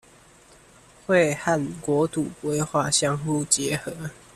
會和國土規劃相互結合